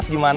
ya udah mas